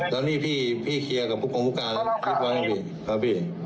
แล้วนี่พี่พี่เคลียร์กับผู้กำลังผู้การรีบวางให้พี่ครับพี่